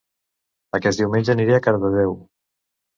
Aquest diumenge aniré a Cardedeu